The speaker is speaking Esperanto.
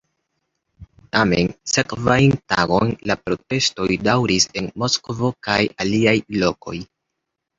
Tamen sekvajn tagojn la protestoj daŭris en Moskvo kaj aliaj lokoj.